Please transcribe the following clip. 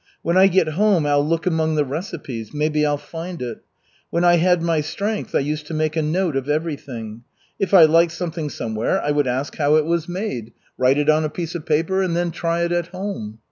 When I get home I'll look among the recipes, maybe I'll find it. When I had my strength I used to make a note of everything. If I liked something somewhere, I would ask how it was made, write it on a piece of paper, and then try it at home.